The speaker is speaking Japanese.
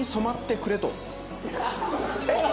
えっ？